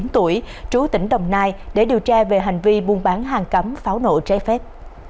bốn mươi tuổi trú tỉnh đồng nai để điều tra về hành vi buôn bán hàng cấm pháo nổ trái phép